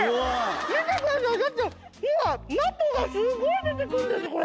見てくださいだってほら中がすごい出てくるんですこれ。